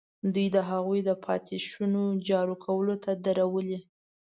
دوی د هغوی د پاتې شونو جارو کولو ته درولي.